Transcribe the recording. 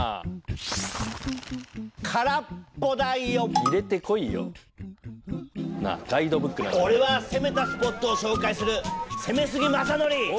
オレは攻めたスポットを紹介する攻めすぎまさのり！